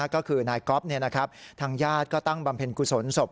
ก็คือนายก๊อฟทางญาติก็ตั้งบำเพ็ญกุศลศพ